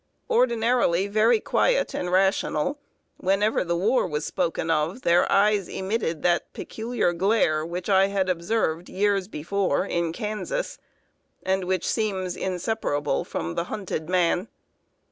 Ordinarily very quiet and rational, whenever the war was spoken of, their eyes emitted that peculiar glare which I had observed, years before, in Kansas, and which seems inseparable from the hunted man.